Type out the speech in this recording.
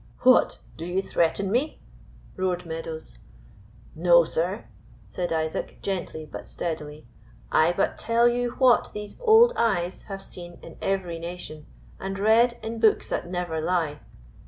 "What, do you threaten me?" roared Meadows. "No, sir," said Isaac, gently but steadily. "I but tell you what these old eyes have seen in every nation, and read in books that never lie.